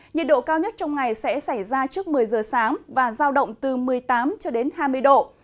nhiệt độ cao nhất trong ngày sẽ xảy ra trước một mươi giờ sáng và giao động từ một mươi tám cho đến hai mươi độ